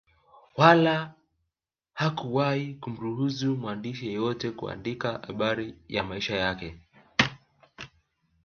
Wala hakuwahi kumruhusu mwandishi yeyote kuandika habari ya maisha yake